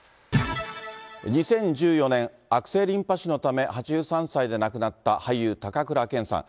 ２０１４年、悪性リンパ腫のため、８３歳で亡くなった俳優、高倉健さん。